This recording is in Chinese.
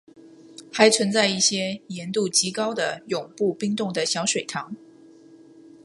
还存在一些盐度极高的永不冰冻的小水塘。